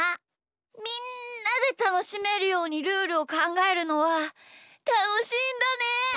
みんなでたのしめるようにルールをかんがえるのはたのしいんだね！